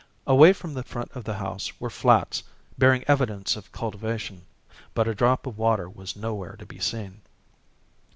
Away from the front of the house were flats, bearing evidence of cultivation, but a drop of water was nowhere to be seen.